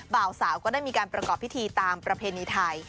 บ่าวสาวก็ได้มีการประกอบพิธีตามประเพณีไทย